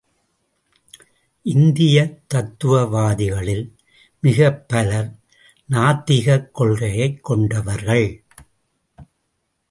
இந்தியத் தத்துவ வாதிகளில் மிகப் பலர் நாத்திகக் கொள்கையைக் கொண்டவர்கள்.